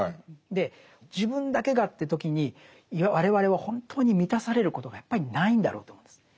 で自分だけがという時に我々は本当に満たされることがやっぱりないんだろうと思うんです。